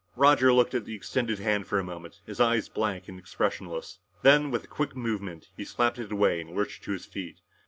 Roger looked at the extended hand for a moment, his eyes blank and expressionless. Then, with a quick movement, he slapped it away and lurched to his feet.